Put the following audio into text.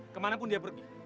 kemana pun dia pergi